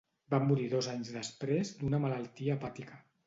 Va morir dos anys després d'una malaltia hepàtica.